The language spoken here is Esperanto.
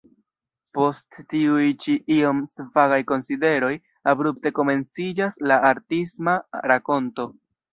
Post tiuj ĉi iom svagaj konsideroj abrupte komenciĝas la artisma rakonto.